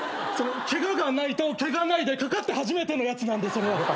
「ケガがない」と「毛がない」でかかって初めてのやつなんでそれは。